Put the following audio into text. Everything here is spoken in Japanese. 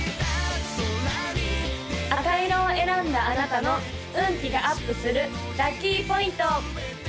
赤色を選んだあなたの運気がアップするラッキーポイント！